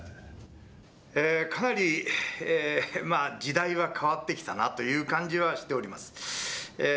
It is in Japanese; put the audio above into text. かなり時代は変わってきたなという感じはしております。